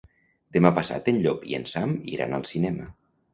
Demà passat en Llop i en Sam iran al cinema.